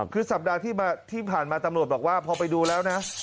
คือสัปดาห์ที่ผ่านมาตำรวจบอกว่าพอไปดูแล้วนะ